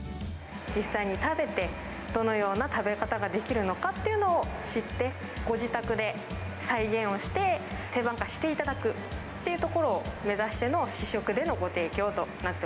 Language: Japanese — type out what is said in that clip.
実際に食べて、どのような食べ方ができるのかっていうのを知って、ご自宅で再現をして、定番化していただくっていうところを目指しての、試食でのご提供